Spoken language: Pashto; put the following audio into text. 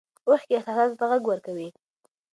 اوښکې احساساتو ته غږ ورکوي.